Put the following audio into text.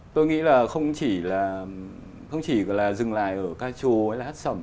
tôi nghĩ là không chỉ là dừng lại ở ca chùa hay là hát sẩm